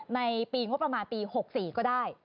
ในปีงบประมาณปี๖๔ก็ได้